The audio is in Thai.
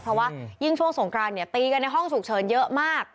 เพราะว่ายิ่งช่วงสงกรานเนี่ยตีกันในห้องฉุกเฉินเยอะมาก